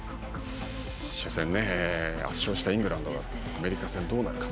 初戦、圧勝したイングランドアメリカ戦どうなるか。